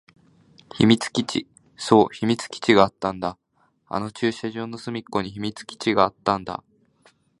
秘密基地。そう、秘密基地があったんだ。あの駐車場の隅っこに秘密基地があったんだ。